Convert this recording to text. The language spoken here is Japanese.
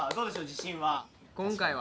自信は。